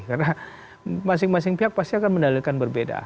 karena masing masing pihak pasti akan menandakan berbeda